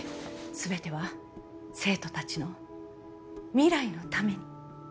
全ては生徒たちの未来のために。